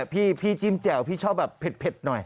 พี่จิ้มแจ่วพี่ชอบแบบเผ็ดหน่อย